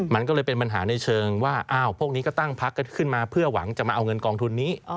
มันก็เลยเป็นปัญหาในเชิงว่าอ้าวพวกนี้ก็ตั้งพักกันขึ้นมาเพื่อหวังจะมาเอาเงินกองทุนนี้